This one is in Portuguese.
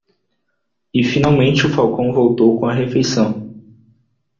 E finalmente o falcão voltou com a refeição.